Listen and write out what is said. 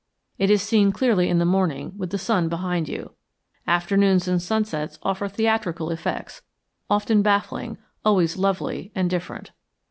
It is seen clearly in the morning with the sun behind you. Afternoons and sunsets offer theatrical effects, often baffling, always lovely and different.